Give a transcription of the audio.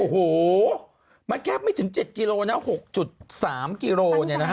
โอ้โฮมันแก๊ปไม่ถึง๗กิโลแล้ว๖๓กิโล